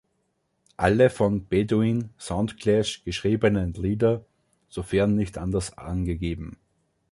Alle von Bedouin Soundclash geschriebenen Lieder, sofern nicht anders angegeben.